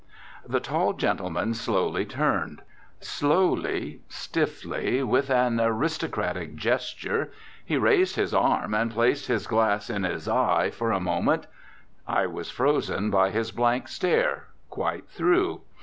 The tall gentleman slowly turned. Slowly, stiffly, with an aristocratic gesture, he raised his arm and placed his glass in his eye, for a moment. I was frozen by his blank stare, quite through.